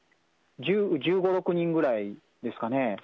１５、６人ぐらいですかね。